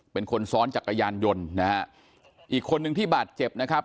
เป็นคนซ้อนจักรยานยนต์นะฮะอีกคนนึงที่บาดเจ็บนะครับ